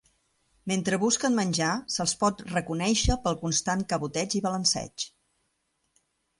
Mentre busquen menjar, se'ls pot reconèixer pel constant caboteig i balanceig.